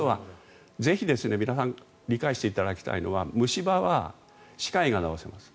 ぜひ皆さん理解していただきたいのは虫歯は歯科医が治せます。